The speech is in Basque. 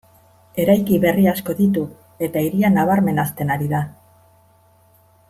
Eraiki berri asko ditu, eta hiria nabarmen hazten ari da.